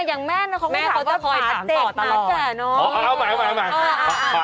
อ้าวก็ต้องมีต่อไงเนี่ย